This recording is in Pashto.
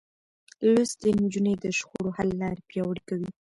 لوستې نجونې د شخړو حل لارې پياوړې کوي.